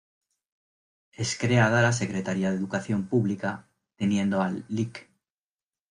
Es creada la Secretaría de Educación Pública, teniendo al Lic.